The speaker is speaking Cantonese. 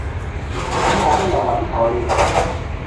咁我都有搵佢